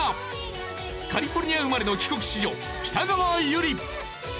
カリフォルニア生まれの帰国子女北川悠理。